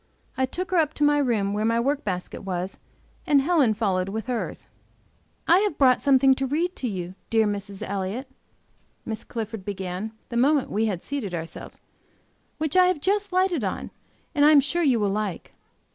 I took her up to my room where my work basket was, and Helen followed, with hers. "I have brought something to read to you, dear Mrs. Elliott," Miss Clifford began, the moment we had seated ourselves, "which I have just lighted on, and I am sure you will like.